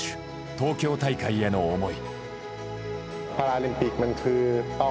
東京大会への思い。